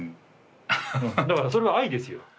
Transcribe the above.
だからそれは愛ですよ。